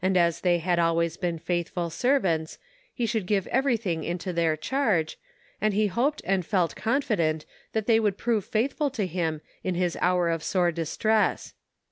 as they had always been faittiful servants, he si)ould give everything into ttieir cliarge, and he hoped and felt conhdent that they would prove faithful to him in his hour of sore distress.